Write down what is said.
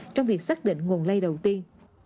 trong việc xác định nguồn lây đầu tiên